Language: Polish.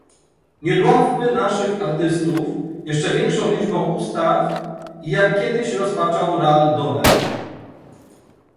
Nie dławmy naszych artystów jeszcze większą liczbą ustaw i jak kiedyś rozpaczał Ral Donner